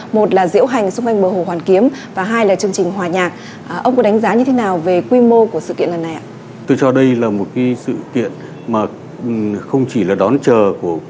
một là diễu hành xung quanh bờ hồ hoàn kiếm và hai là chương trình hòa nhạc